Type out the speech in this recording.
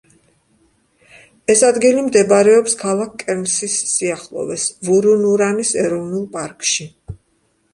ეს ადგილი მდებარეობს ქალაქ კერნსის სიახლოვეს, ვურუნურანის ეროვნული პარკში.